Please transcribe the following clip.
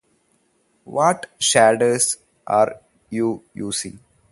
What shaders are you using?